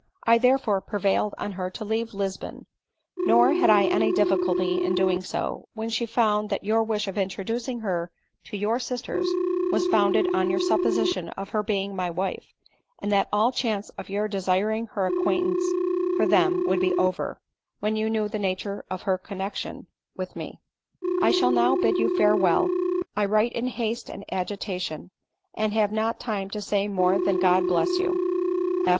I therefore prevailed on her to leave Lisbon ; nor had I any difficulty in so doing, when she found that your wish of introducing her to your sisters was founded on your supposition of her being my wife, and that all chance of your desiring her acquaint ance for them would be over, when you knew the nature of her connexion with me. I shall now bid you farewell. I write in haste and agitation, and have not time to say more than God bless you